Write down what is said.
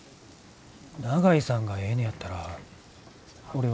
長井さんがええねやったら俺は別に。